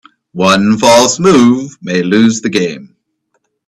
One false move may lose the game.